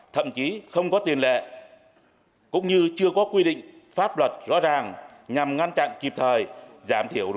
thậm chí không có tiền lệ cũng như chưa có quy định pháp luật rõ ràng nhằm ngăn chặn kịp thời giảm thiểu rủi ro